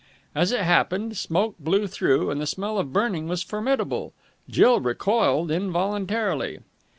As it opened, smoke blew through, and the smell of burning was formidable. Jill recoiled involuntarily.